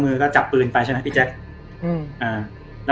เห้องือก็จับปืนไปใช่มั้ยพี่แจ๊บเอิ้ม